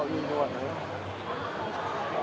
สวัสดีครับ